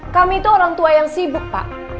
kami itu orang tua yang sibuk pak